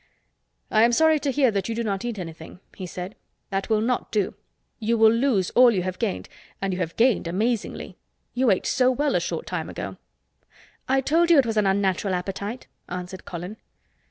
"I am sorry to hear that you do not eat anything," he said. "That will not do. You will lose all you have gained—and you have gained amazingly. You ate so well a short time ago." "I told you it was an unnatural appetite," answered Colin.